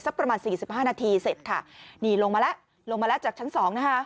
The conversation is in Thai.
สักประมาณ๔๕นาทีเสร็จค่ะนี่ลงมาละลงมาละจากชั้นสองนะคะ